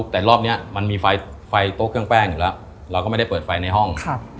แต่รอบนี้มันมีไฟโต๊ะเครื่องแป้งอยู่แล้วเราก็ไม่ได้เปิดไฟในห้อง